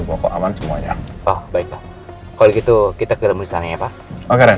buah kok aman semuanya pak baik pak kalau gitu kita ke dalam di sana ya pak oke ren yuk